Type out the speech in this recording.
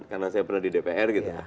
karena saya pernah di dpr gitu